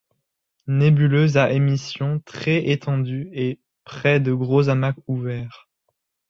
Nébuleuse à émission très étendue et près de gros amas ouverts.